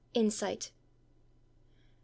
INSIGHT. Mr.